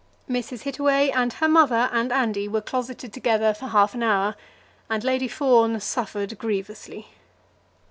Mrs. Hittaway, and her mother, and Andy were closeted together for half an hour, and Lady Fawn suffered grievously.